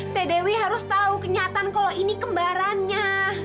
teh dewi harus tahu kenyataan kalau ini kembarannya